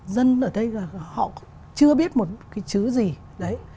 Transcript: dân ở đây họ chưa biết một cái chữ gì đấy